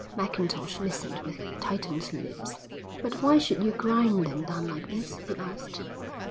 Mackintosh listened with tightened lips. "But why should you grind them down like this?" he asked.